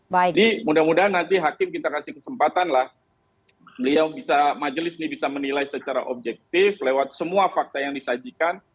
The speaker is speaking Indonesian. jadi mudah mudahan nanti hakim kita kasih kesempatan lah beliau bisa majelis ini bisa menilai secara objektif lewat semua fakta yang disajikan